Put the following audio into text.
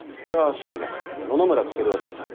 瞬也野々村翔が起訴された。